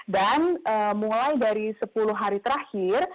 dan mulai dari sepuluh hari terakhir